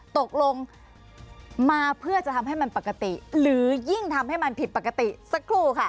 ตกลงมาเพื่อจะทำให้มันปกติหรือยิ่งทำให้มันผิดปกติสักครู่ค่ะ